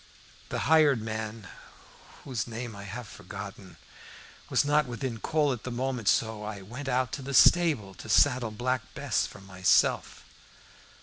The hired man, whose name I have forgotten, was not within call at the moment, so I went out to the stable to saddle Black Bess for myself.